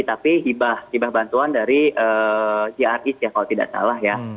tapi hibah hibah bantuan dari jrs ya kalau tidak salah ya